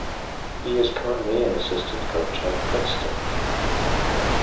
He is currently an assistant coach at Princeton.